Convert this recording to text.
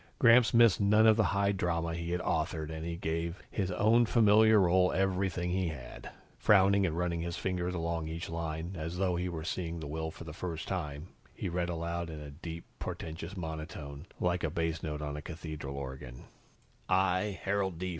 Gramps missed none of the high drama he had authored and he gave his own familiar role everything he had. Frowning and running his finger along each line, as though he were seeing the will for the first time, he read aloud in a deep portentous monotone, like a bass note on a cathedral organ. "I, Harold D.